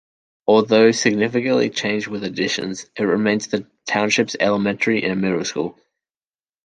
Although significantly changed with additions, it remains the township's elementary and middle school.